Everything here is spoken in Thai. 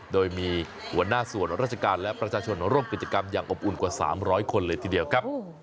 โดยมีหัวหน้าส่วนราชการและประชาชนร่วมกิจกรรมอย่างอบอุ่นกว่า๓๐๐คนเลยทีเดียวครับ